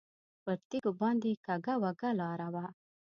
پر تیږو باندې کږه وږه لاره وه.